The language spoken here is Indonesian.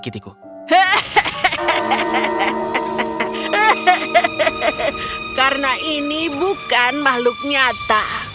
hahaha karena ini bukan makhluk nyata